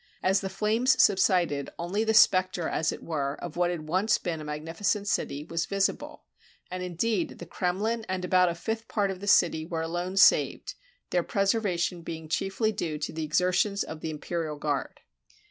As the flames subsided, only the specter, as it were, of what had once been a magnificent city was visible; and, indeed, the Kremlin and about a fifth part of the city were alone saved ; their preservation being chiefly due to the exertions of the Imperial Guard.